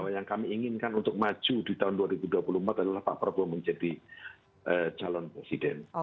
yang kami inginkan untuk maju di tahun dua ribu dua puluh empat adalah pak prabowo menjadi calon presiden